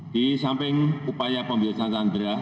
di samping upaya pembebasan sandera